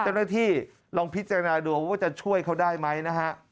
เจ้าหน้าที่ลองพิจารณาดูว่าจะช่วยเขาได้ไหมนะฮะ